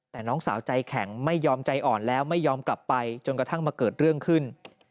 แต่น้องสาวใจแข็งไม่ยอมใจอ่อนแล้วไม่ยอมกลับไปจนกระทั่งมาเกิดเรื่องขึ้น